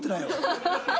ハハハハ！